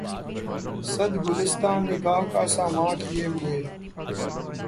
صد گلستاں نِگاه کا ساماں کئے ہوے